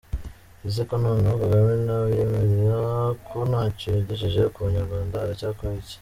Ese ko noneho Kagame nawe yemera ko ntacyo yagejeje ku banyarwanda, aracyakora iki?